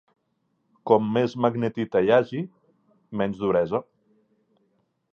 Com més magnetita hi hagi, menys duresa.